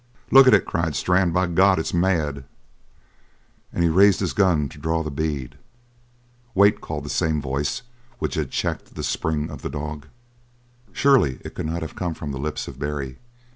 "Look at it!" cried Strann. "By God, it's mad!" And he raised his gun to draw the bead. "Wait!" called the same voice which had checked the spring of the dog. Surely it could not have come from the lips of Barry.